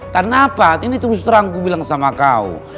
kenapa ini terus terang aku bilang sama kau